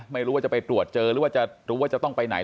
ไม่รู้ว่าจะไปตรวจเจอหรือว่าจะรู้ว่าจะต้องไปไหน